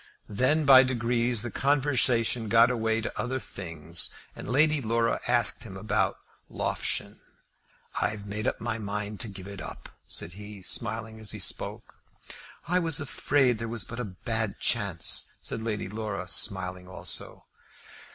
Then, by degrees, the conversation got away to other things, and Lady Laura asked him after Loughshane. "I've made up my mind to give it up," said he, smiling as he spoke. "I was afraid there was but a bad chance," said Lady Laura, smiling also.